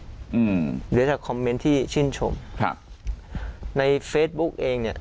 หรือถ้าคอมเมนต์ที่ชื่นชมในเฟซบุ๊กเองเนี่ย